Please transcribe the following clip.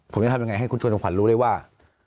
ผมจะทำยังไงให้คุณชวนขวัญรู้ได้ว่า